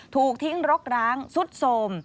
ถูกทิ้งรกร้างสุดโสม